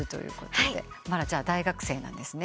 まだ大学生なんですね？